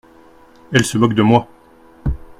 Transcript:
Elle se moque de moi.